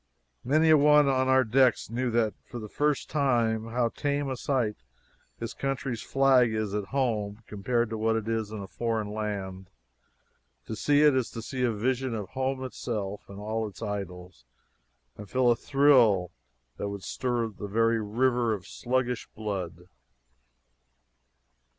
Many a one on our decks knew then for the first time how tame a sight his country's flag is at home compared to what it is in a foreign land. To see it is to see a vision of home itself and all its idols, and feel a thrill that would stir a very river of sluggish blood!